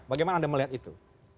bagaimana anda melihat itu